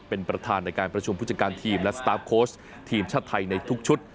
เป็นประธานในการประชุมผู้จัดการทีมและสตาร์ฟโค้ชทีมชาติไทยในทุกชุด